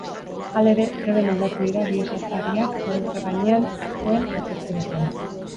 Halere, trebe moldatu dira bi esatariak oholtza gainekoen aurkezpenetan.